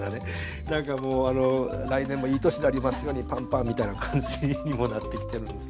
何かもう来年もいい年でありますようにパンパンみたいな感じにもなってきてるんです。